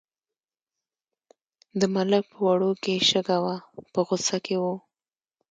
د ملک په وړو کې شګه وه په غوسه کې و.